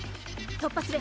突破する。